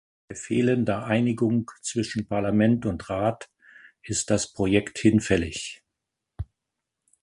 Bei fehlender Einigung zwischen Parlament und Rat ist das Projekt hinfällig.